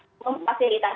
di indonesia pemerintahnya